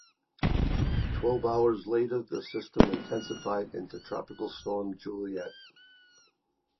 Twelve hours later, the system intensified into Tropical Storm Juliette.